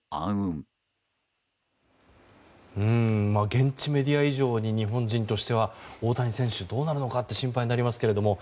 現地メディア以上に日本人としては大谷選手どうなるのかって心配になりますけど。